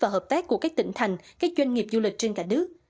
và hợp tác của các tỉnh thành các doanh nghiệp du lịch trên cả nước